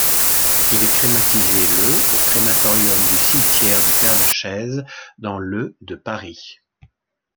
Il est crématisé le au crématorium du cimetière du Père-Lachaise dans le de Paris.